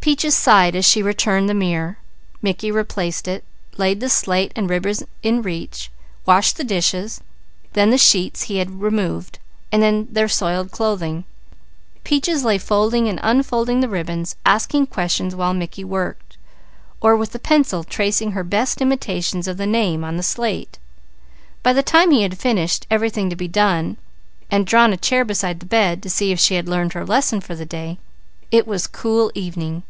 Peaches sighed as she returned the mirror. Mickey replaced it, laid the slate and ribbons in reach, washed the dishes, then the sheets he had removed, and their soiled clothing. Peaches lay folding and unfolding the ribbons; asking questions while Mickey worked, or with the pencil tracing her best imitations of the name on the slate. By the time he had finished everything to be done and drawn a chair beside the bed, to see if she had learned her lesson for the day, it was cool evening.